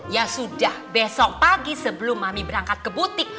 ya sudah besok pagi sebelum mami berangkat ke butik